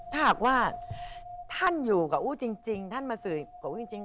ถ้าหากว่าท่านอยู่กับอู้จริงท่านมาสืบกับอู้จริง